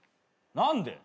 何で？